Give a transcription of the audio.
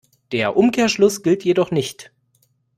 Der Umkehrschluss gilt jedoch nicht.